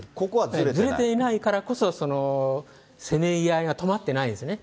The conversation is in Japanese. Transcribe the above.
ずれていないからこそ、せめぎ合いが止まってないですね。